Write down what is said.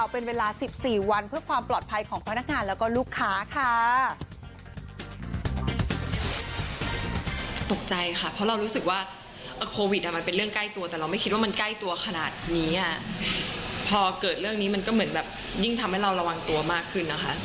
พอเกิดเรื่องนี้มันก็เหมือนแบบยิ่งทำให้เราระวังตัวมากขึ้นนะคะ